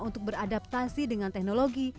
untuk beradaptasi dengan teknologi